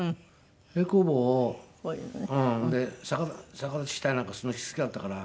逆立ちしたりなんかするの好きだったから。